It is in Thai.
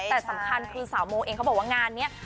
แต่สำคัญคือสาวโมเองเขาบอกว่างานนี้